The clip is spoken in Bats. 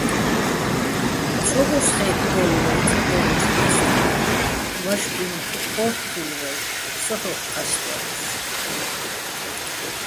ცო ღოსხე́თდო́ლ ვაჲ წეგო́რეჩო̆ მა́სთხუჲნ, ვაშბინ ო́თთულ ვაჲ, სო ჰ̦ოხ ჴასტალოსო̆.